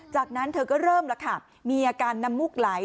จากนั้นเธอก็เริ่มละครับมีอาการนำมุกไหล